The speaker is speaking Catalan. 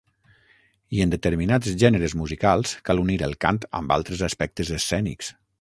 I en determinats gèneres musicals, cal unir el cant amb altres aspectes escènics.